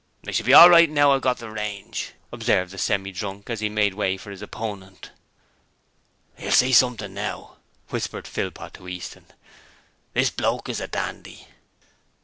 'I shall be all right now that I've got the range,' observed the Semi drunk as he made way for his opponent. 'You'll see something now,' whispered Philpot to Easton. 'This bloke is a dandy!'